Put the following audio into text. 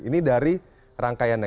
ini dari rangkaiannya